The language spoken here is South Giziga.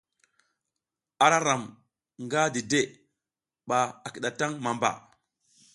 Ara ram nga dide ɓa a kiɗataŋ mamba.